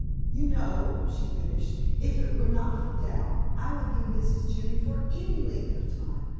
"You know," she finished, "if it were not for Dal, I would be Mrs. Jimmy for ANY length of time.